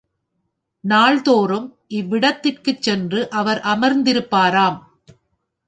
நாள்தோறும் இவ்விடத்திற்குச் சென்று அவர் அமர்ந்திருப்பாராம்.